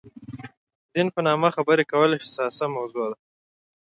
دین په نامه خبرې کول حساسه موضوع ده.